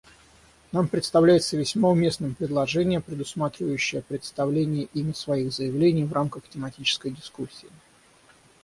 Нам представляется весьма уместным предложение, предусматривающее представление ими своих заявлений в рамках тематической дискуссии.